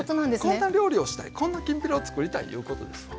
こんな料理をしたいこんなきんぴらをつくりたいいうことですわ。